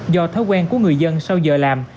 do thói quen của người dân sau giờ làm